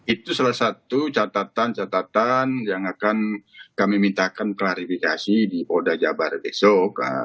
itu salah satu catatan catatan yang akan kami mintakan klarifikasi di polda jabar besok